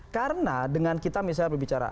karena dengan kita misalnya berbicara